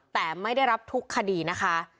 แต่ไม่ได้รับทุกคดีนะคะ